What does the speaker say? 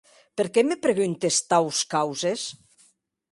Per qué me preguntes taus causes?